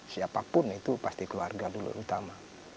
siapapun itu pasti keluarga dulu utama